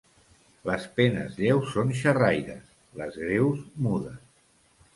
Les penes lleus són xerraires; les greus, mudes.